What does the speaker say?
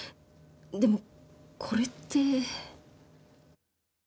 でもこれって。